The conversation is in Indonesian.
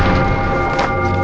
tuan tuan tuan tuan tuan